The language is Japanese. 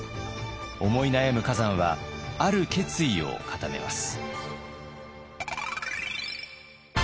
思い悩む崋山はある決意を固めます。